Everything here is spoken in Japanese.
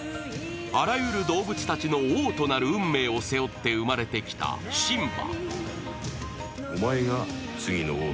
あらゆる動物たちの王となる運命を背負って生まれてきたシンバ。